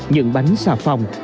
những bánh xà phòng